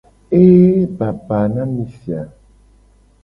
Eeeeee baba na mi si a.